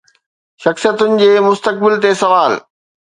شخصيتن جي مستقبل تي سوال